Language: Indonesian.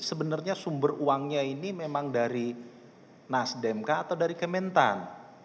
jadi sebenarnya sumber uangnya ini memang dari nasdem kah atau dari kementan